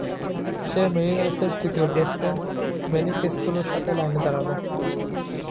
সে মেরিনার্সের তৃতীয় baseman Manny ক্যাস্টিলোর সাথে লাইনে দাঁড়ালো।